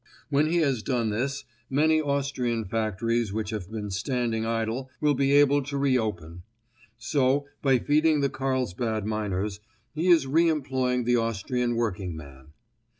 When he has done this, many Austrian factories which have been standing idle will be able to re open. So, by feeding the Carlsbad miners, he is re employing the Austrian working man.